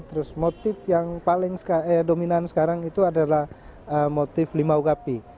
terus motif yang paling dominan sekarang itu adalah motif limaugapi